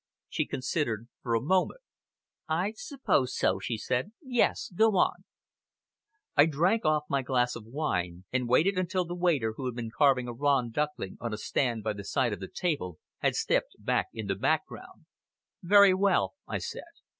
She considered for a moment. "I suppose so," she said. "Yes! Go on." I drank off my glass of wine, and waited until the waiter, who had been carving a Rouen duckling on a stand by the side of the table, had stepped back into the background. "Very well!" I said.